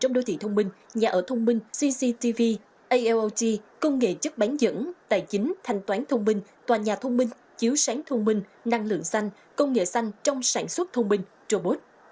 trong đô thị thông minh nhà ở thông minh cctv alot công nghệ chất bán dẫn tài chính thanh toán thông minh tòa nhà thông minh chiếu sáng thông minh năng lượng xanh công nghệ xanh trong sản xuất thông minh robot